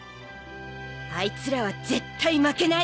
あいつらは絶対負けない！